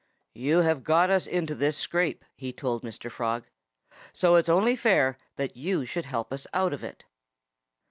"You have got us into this scrape," he told Mr. Frog, "so it's only fair that you should help us out of it."